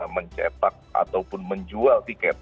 mencetak ataupun menjual tiket